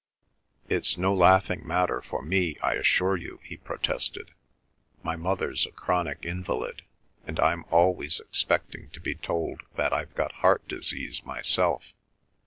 "It's no laughing matter for me, I assure you," he protested. "My mother's a chronic invalid, and I'm always expecting to be told that I've got heart disease myself.